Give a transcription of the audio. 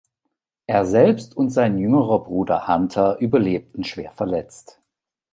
Er selbst und sein jüngerer Bruder Hunter überlebten schwer verletzt.